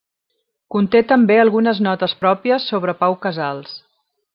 Conté també algunes notes pròpies sobre Pau Casals.